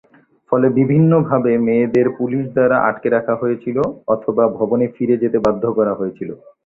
ফলে বিভিন্নভাবে মেয়েদের পুলিশ দ্বারা আটকে রাখা হয়েছিল, অথবা ভবনে ফিরে যেতে বাধ্য করা হয়েছিল।